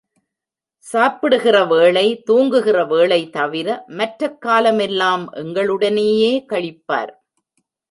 சாப்பிடுகிற வேளை தூங்குகிற வேளை தவிர, மற்றக் காலமெல்லாம் எங்களுடனேயே கழிப்பார்.